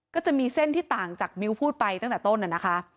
ก็จะมีเส้นที่ต่างจากมิ้วพูดไปตั้งแต่ต้นนะคะ